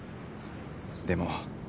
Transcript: でも。